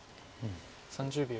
３０秒。